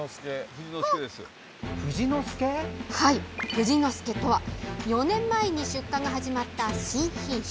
富士の介とは４年前に出荷が始まった新品種。